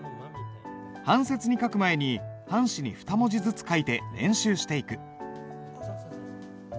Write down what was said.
半切に書く前に半紙に２文字ずつ書いて練習していく。